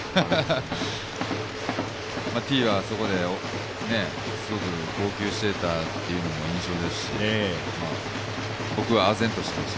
Ｔはそこですごく号泣していたというのも印象ですし、僕はあぜんとしていました、